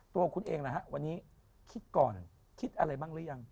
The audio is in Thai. ตัวคุณเองล่ะฮะวันนี้คิดก่อนคิดอะไรบ้างหรือยัง